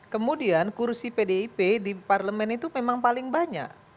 kemudian kursi pdip di parlemen itu memang paling banyak